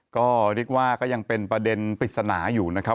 ก็ยังเป็นประเด็นปริศนาอยู่นะครับ